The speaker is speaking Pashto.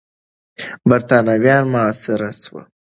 برتانويان محاصره سول.